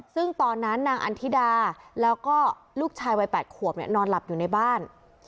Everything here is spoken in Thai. ซึ่งตอนนั้นนางอันธิดาแล้วก็ลูกชายวัย๘ขวบนอนหลับอยู่ในบ้าน